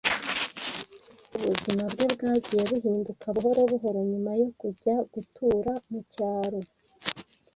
Ubuzima bwe bwagiye buhinduka buhoro buhoro nyuma yo kujya gutura mu cyaro.